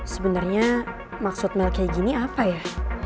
sebenernya maksud mel kayak gini apa ya